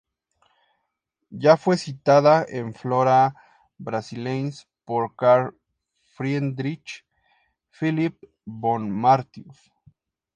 Ya fue citada en Flora Brasiliensis por Carl Friedrich Philipp von Martius.